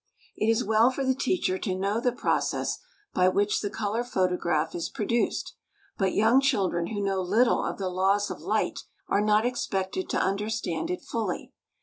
It is well for the teacher to know the process by which the color photograph is produced, but young children who know little of the laws of light are not expected to understand it fully.